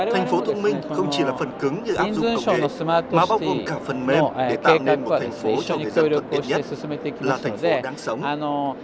thành phố thông minh không chỉ là phần cứng như áp dụng công nghệ mà bóc gồm cả phần mềm để tạo nên một thành phố cho người dân thân thiết nhất là thành phố đáng sống